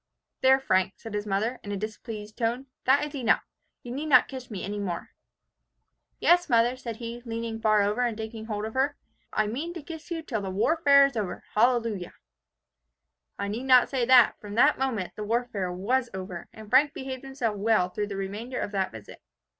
"'There, Frank,' said his mother, in a displeased tone, 'that is enough. You need not kiss me any more.' "'Yes, mother,' said he, leaning far over, and taking hold of her, 'I mean to kiss you till the warfare is over, Hallelujah.' "I need not say that, from that moment, the warfare was over, and Frank behaved himself well through the remainder of the visit.